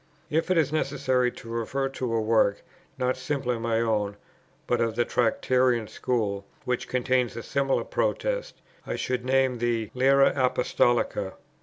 If it is necessary to refer to a work, not simply my own, but of the Tractarian school, which contains a similar protest, I should name the Lyra Apostolica.